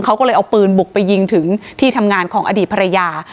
เขาก็เลยเอาปืนบุกไปยิงถึงที่ทำงานของอดีตภรรยา